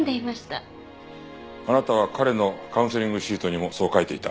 あなたは彼のカウンセリングシートにもそう書いていた。